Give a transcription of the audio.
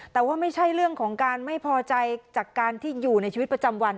แต่ว่าไม่ใช่เรื่องของการไม่พอใจจากการที่อยู่ในชีวิตประจำวัน